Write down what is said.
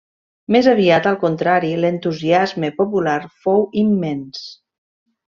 Més aviat al contrari, l'entusiasme popular fou immens.